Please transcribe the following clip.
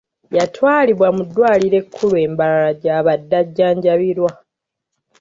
Yatwalibwa mu ddwaliro ekkulu e Mbarara gy’abadde ajjanjabirwa.